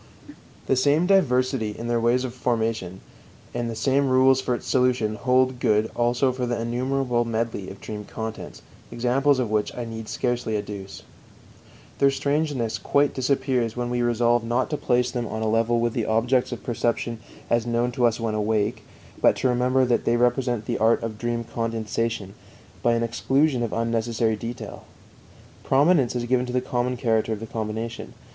The same diversity in their ways of formation and the same rules for its solution hold good also for the innumerable medley of dream contents, examples of which I need scarcely adduce. Their strangeness quite disappears when we resolve not to place them on a level with the objects of perception as known to us when awake, but to remember that they represent the art of dream condensation by an exclusion of unnecessary detail. Prominence is given to the common character of the combination.